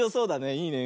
いいね。